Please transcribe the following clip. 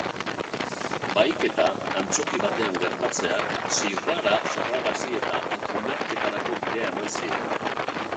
Bahiketa antzoki batean gertatzeak zirrara sorrarazi eta hausnarketarako bidea eman zien.